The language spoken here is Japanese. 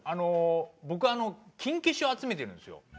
僕、キン消しを集めてるんですよ。